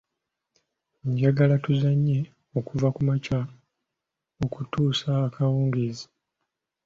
Njagala tuzannye okuva ku makya okutuusa akawungeezi.